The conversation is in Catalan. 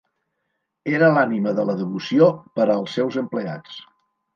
Era l'ànima de la devoció per als seus empleats.